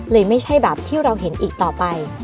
ไม่ใช่แบบที่เราเห็นอีกต่อไป